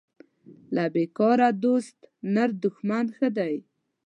له بیکاره دوست نر دښمن ښه دی